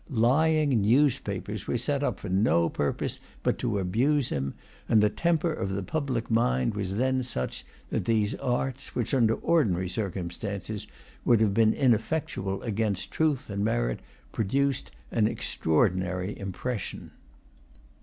Lying newspapers were set up for no purpose but to abuse him; and the temper of the public mind was then such, that these arts, which under ordinary circumstances would have been ineffectual against truth and merit produced an extraordinary impression.